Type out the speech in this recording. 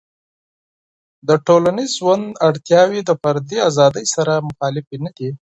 د ټولنیز ژوند اړتیاوې د فردي ازادۍ سره مخالفېي نه دي.